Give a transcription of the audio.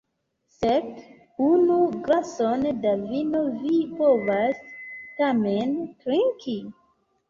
Sed unu glason da vino vi povas tamen trinki?